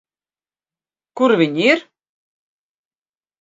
Kur viņi ir?